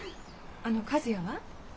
あの和也は？